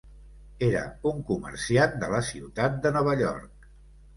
Era un comerciant de la ciutat de Nova York.